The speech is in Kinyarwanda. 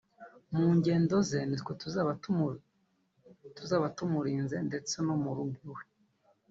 mu ngendo ze nitwe tuzaba tumurinze ndetse no mu rugo iwe